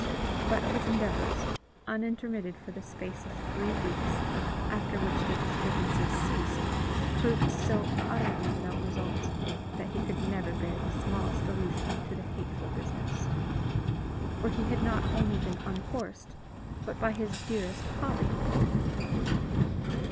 But his endeavours, uninterrmitted for the space of three weeks, after which the disturbances ceased, proved so utterly without result, that he could never bear the smallest allusion to the hateful business. For he had not only been unhorsed, but by his dearest hobby.